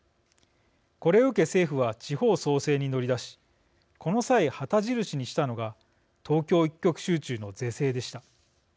これを受け、政府は地方創生に乗り出しこの際、旗印にしたのが東京一極集中の是正でした。